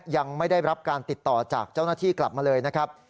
ยังไม่ได้รับการติดต่อจากเจ้าหน้าที่กลับมาเลยนะครับ